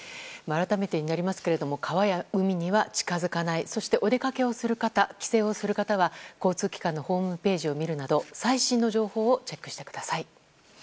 改めてになりますが川や海には近づかないそして、お出かけをする方帰省をする方は、交通機関のホームページを見るなど最新の情報をチェックしてください。